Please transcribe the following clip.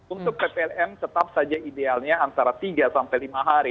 untuk ppln tetap saja idealnya antara tiga sampai lima hari